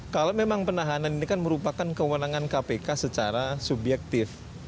kalau memang penahanan ini kan merupakan kewenangan kpk secara subjektif